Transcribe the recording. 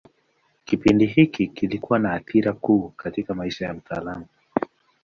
Kipindi hiki kilikuwa na athira kuu katika maisha ya mtaalamu.